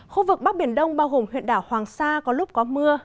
khu vực bắc biển đông bao gồm huyện đảo hoàng sa có lúc có mưa